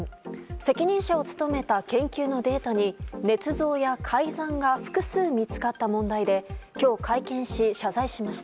責任者と務めた研究のデータにねつ造や改ざんが複数見つかった問題で今日会見し、謝罪しました。